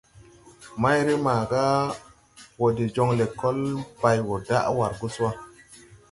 Mayre maaga wɔ de jɔŋ lɛkɔl bay wɔ daʼ war gus wà.